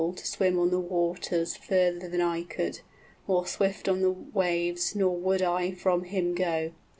} To swim on the waters further than I could, 45 More swift on the waves, nor would I from him go.